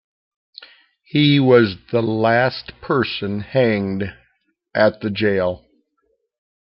He was the last person hanged at the jail.